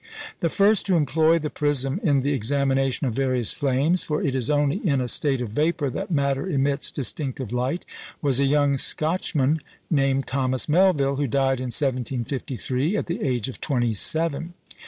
The first to employ the prism in the examination of various flames (for it is only in a state of vapour that matter emits distinctive light) was a young Scotchman named Thomas Melvill, who died in 1753, at the age of twenty seven.